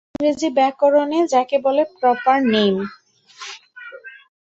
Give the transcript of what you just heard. ইংরেজি ব্যাকরণে যাকে বলে প্রপার নেম।